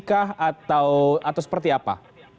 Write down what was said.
kah atau atau seperti apa